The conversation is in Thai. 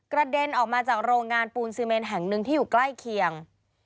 เด็นออกมาจากโรงงานปูนซีเมนแห่งหนึ่งที่อยู่ใกล้เคียง